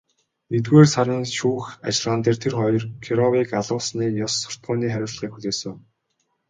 Нэгдүгээр сарын шүүх ажиллагаан дээр тэр хоёр Кировыг алуулсны ёс суртахууны хариуцлагыг хүлээсэн.